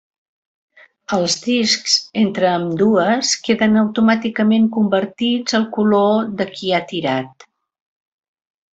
Els discs entre ambdues queden automàticament convertits al color de qui ha tirat.